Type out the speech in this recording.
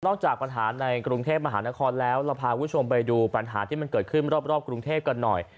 จากปัญหาในกรุงเทพมหานครแล้วเราพาคุณผู้ชมไปดูปัญหาที่มันเกิดขึ้นรอบกรุงเทพกันหน่อย